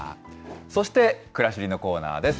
そして、くらしりのコーナーです。